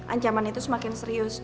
ancaman itu semakin serius